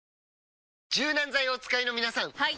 柔軟剤をお使いの皆さんはい！